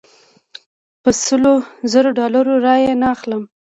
په سلو زرو ډالرو رایې نه اخلم.